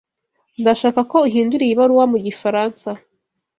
Ndashaka ko uhindura iyi baruwa mu gifaransa.